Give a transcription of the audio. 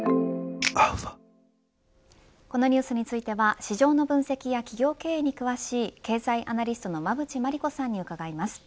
このニュースについては市場の分析や企業経営に詳しい経済アナリストの馬渕磨理子さんに伺います。